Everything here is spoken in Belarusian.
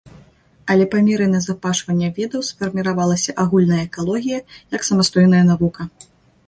Але па меры назапашвання ведаў сфарміравалася агульная экалогія як самастойная навука.